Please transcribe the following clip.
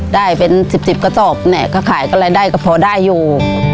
ได้เป็น๑๐๑๐กระสอบเนี่ยก็ขายก็รายได้ก็พอได้อยู่